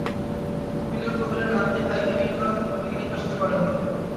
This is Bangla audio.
বিল্বন কহিলেন, আপনি ভাইকে নির্বাসিত করেন নাই।